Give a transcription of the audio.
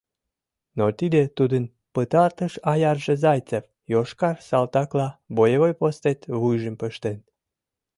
Но тиде тудын пытартыш аяржеЗайцев йошкар салтакла боевой постет вуйжым пыштен.